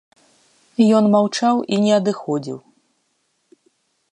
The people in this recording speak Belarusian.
Ён маўчаў і не адыходзіў.